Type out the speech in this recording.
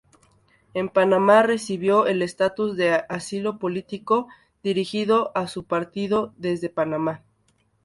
En Panamá recibió el estatus de asilado político, dirigiendo a su partido desde Panamá.